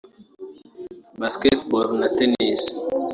basketball na tennis